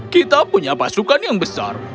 kita punya pasukan yang besar